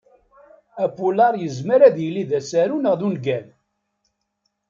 Apulaṛ yezmer ad yili d asaru neɣ d ungal.